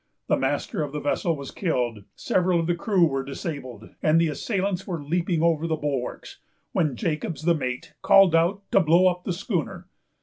The master of the vessel was killed, several of the crew were disabled, and the assailants were leaping over the bulwarks, when Jacobs, the mate, called out to blow up the schooner.